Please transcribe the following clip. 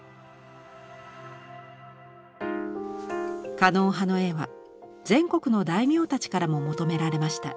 狩野派の絵は全国の大名たちからも求められました。